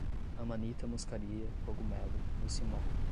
amanita muscaria, cogumelo, muscimol